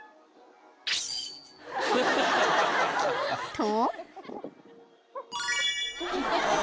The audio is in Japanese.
［と］